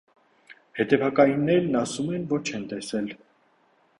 Հետևակայիններն ասում են, որ չեն տեսել։